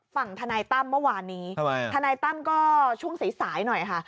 ฝั่งทนายตั้มเมื่อวานนี้ทนายตั้มก็ช่วงสายสายหน่อยค่ะ